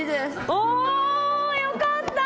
およかった！